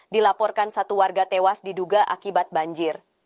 dilaporkan satu warga tewas diduga akibat banjir